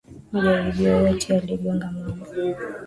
Majaribio yote yaligonga mwaba.